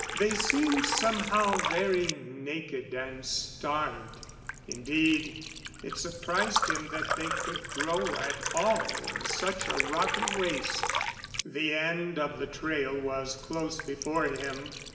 They seemed somehow very naked and starved indeed, it surprised him that they could grow at all in such a rocky waste. The end of the trail was close before him.